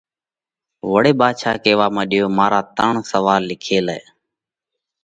وۯي ڀاڌشا ڪيوا مڏيو: مارا ترڻ سوئال لکي لئہ۔